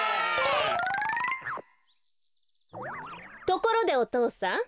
ところでおとうさん。